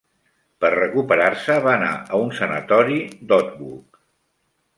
Per recuperar-se, va anar a un sanatori d'Otwock.